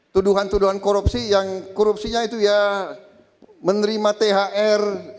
tuduhan tuduhan korupsi yang korupsinya itu ya menerima thr